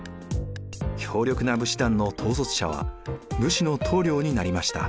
強力な武士団の統率者は武士の棟梁になりました。